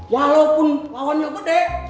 walaupun lawannya gede